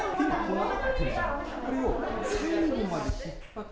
これを最後まで引っ張って。